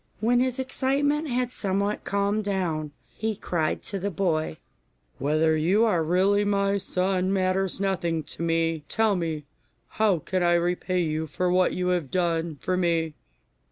When his excitement had somewhat calmed down, he cried to the boy, 'Whether you are really my son matters nothing to me; tell me, how can I repay you for what you have done for me?